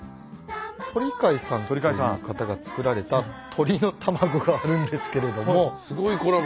鳥飼さんという方が作られた鳥の卵があるんですけれども。